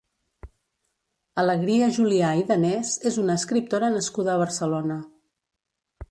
Alegria Julià i Danés és una escriptora nascuda a Barcelona.